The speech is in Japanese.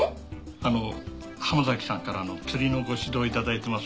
あの浜崎さんから釣りのご指導いただいてます